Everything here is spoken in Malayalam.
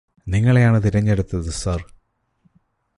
നിങ്ങളെയാണ് തിരഞ്ഞെടുത്തത് സര്